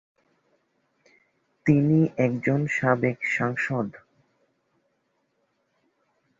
তিনি একজন সাবেক সাংসদ।